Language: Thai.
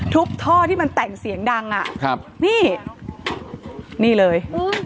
ท่อที่มันแต่งเสียงดังอ่ะครับนี่นี่เลย